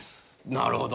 なるほど。